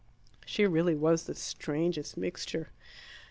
She really was the strangest mixture.